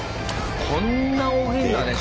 こんな大きいんだね